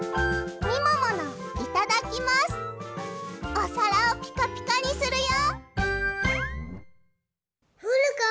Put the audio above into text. おさらをピカピカにするよ！